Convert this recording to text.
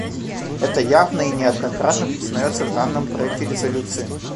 Это явно и неоднократно признается в данном проекте резолюции.